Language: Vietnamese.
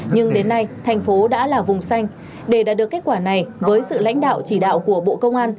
nhưng đến nay thành phố đã là vùng xanh để đạt được kết quả này với sự lãnh đạo chỉ đạo của bộ công an